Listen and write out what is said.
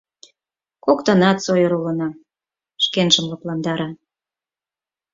Коктынат сойыр улына», — шкенжым лыпландара».